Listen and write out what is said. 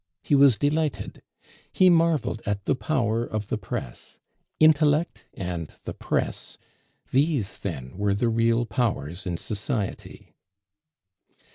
He was delighted. He marveled at the power of the press; Intellect and the Press, these then were the real powers in society.